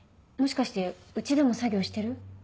もしかして家でも作業してる？